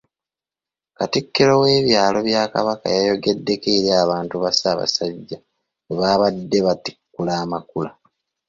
Katikkiro w'ebyalo bya Kabaka yayogeddeko eri abantu ba Ssaabasajja bwe yabadde abatikkula amakula.